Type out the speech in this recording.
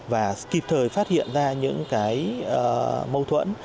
và kịp thời phát hiện ra những cái mâu thuẫn